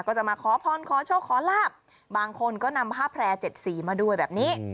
ก็จะมาขอพรขอโชคขอลาบบางคนก็นำผ้าแพร่๗สีมาด้วยแบบนี้